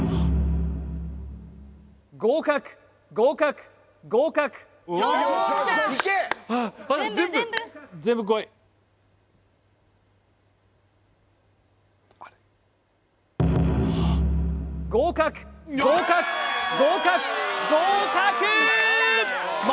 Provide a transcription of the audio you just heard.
合格合格合格全部合格合格合格合格！